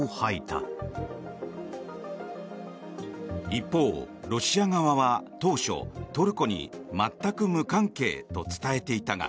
一方、ロシア側は当初、トルコに全く無関係と伝えていたが